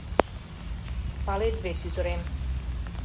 — Палет вет, ӱдырем...